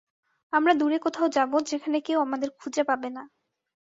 আমরা দূরে কোথাও যাবো যেখানে কেউ আমাদের খুজে পাবে না।